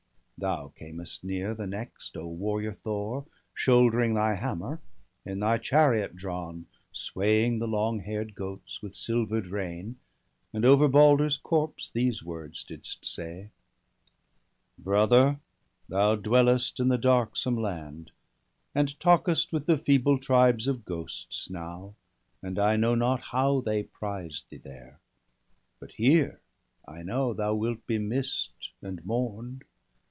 Thou camest near the next, O warrior Thor ! Shouldering thy hammer, in thy chariot drawn. Swaying the long hair'd goats with silver'd rein; And over Balder's corpse these words didst say :— 'Brother, thou dwellest in the darksome land, And talkest with the feeble tribes of ghosts. Now, and I know not how they prize thee there — But here, I know, thou wilt be miss'd and mourn'd.